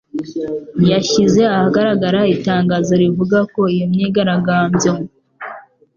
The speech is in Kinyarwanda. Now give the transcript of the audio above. yashyize ahagaragara itangazo rivuga ko iyo myigaragambyo